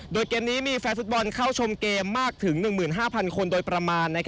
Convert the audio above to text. โดยเกมนี้มีแฟนฟุตบอลเข้าชมเกมมากถึง๑๕๐๐คนโดยประมาณ